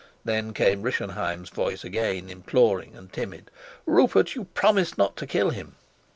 Then came Rischenheim's voice again, imploring and timid: "Rupert, you promised not to kill him."